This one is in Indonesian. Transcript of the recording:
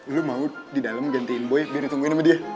lu mau di dalam gantiin boy biar ditungguin sama dia